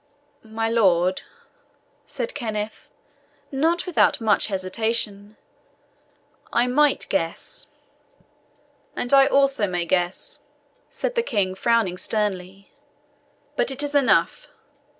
"My lord," said Kenneth, not without much hesitation, "I might guess." "And I also may guess," said the King, frowning sternly; "but it is enough.